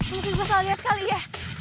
mungkin gue salah liat kali ya